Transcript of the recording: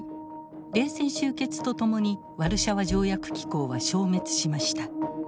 冷戦終結とともにワルシャワ条約機構は消滅しました。